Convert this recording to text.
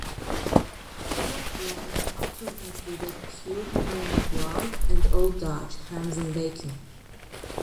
Pork brands offered included "Pure Home Rendered Lard" and "Old Dutch" hams and bacon.